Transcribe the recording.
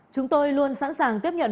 chúng tôi luôn sẵn sàng tiếp nhận